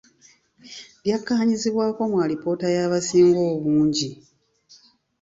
Lyakkaanyizibwako mu alipoota y’abasinga obungi.